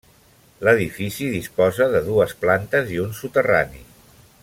L'edifici disposa de dues plantes i un soterrani.